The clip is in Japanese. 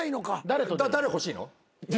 誰欲しいの？